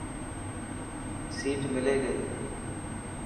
سيٽ ملي گئي؟